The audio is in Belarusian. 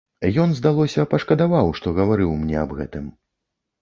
Ён, здалося, пашкадаваў, што гаварыў мне аб гэтым.